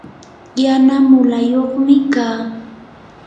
yana mulayuqmi kaa.